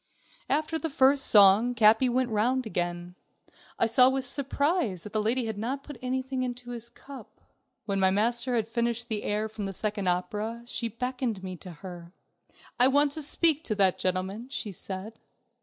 After the first song, Capi went the round again. I saw with surprise that the lady had not put anything into his cup. When my master had finished the air from the second opera, she beckoned me to her. "I want to speak to that gentleman," she said.